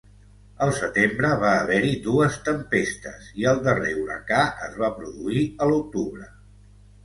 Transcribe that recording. Al Setembre va haver-hi dues tempestes, i el darrer huracà es va produir a l'octubre.